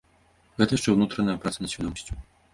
Гэта яшчэ ўнутраная праца над свядомасцю.